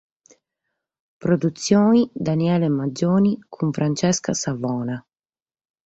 Produtzione Daniele Maggioni cun Francesca Savona.